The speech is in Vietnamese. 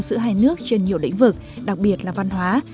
giữa hai nước trên nhiều lĩnh vực đặc biệt là văn hóa